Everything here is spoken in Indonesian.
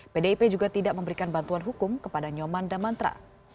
pdip juga tidak memberikan bantuan hukum kepada nyomanda mantra